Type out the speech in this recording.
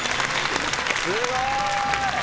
すごーい